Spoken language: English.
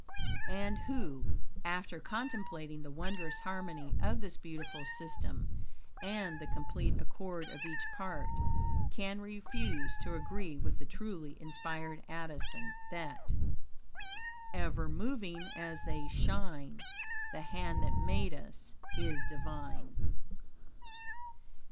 And who, after contemplating the wondrous harmony of this beautiful system, and the complete accord of each part, can refuse to agree with the truly inspired Addison that "Ever moving as they shine, The hand that made us is divine."